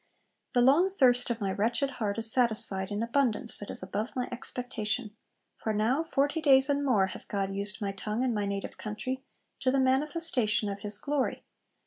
'The long thirst of my wretched heart is satisfied, in abundance that is above my expectation; for now, forty days and more hath God used my tongue in my native country to the manifestation of His glory.